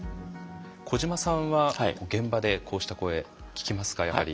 小島さんは現場でこうした声聞きますかやはり。